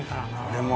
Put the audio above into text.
俺も。